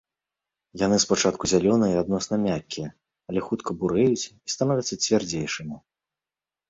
Яны спачатку зялёныя і адносна мяккія, але хутка бурэюць і становяцца цвярдзейшымі.